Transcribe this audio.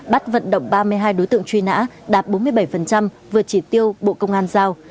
bắt vận động ba mươi hai đối tượng truy nã đạt bốn mươi bảy vượt chỉ tiêu bộ công an giao